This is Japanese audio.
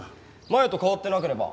前と変わってなければ。